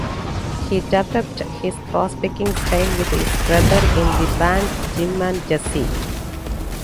He developed his crosspicking style with his brother in the band Jim and Jesse.